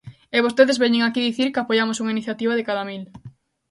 E vostedes veñen aquí dicir que apoiamos unha iniciativa de cada mil.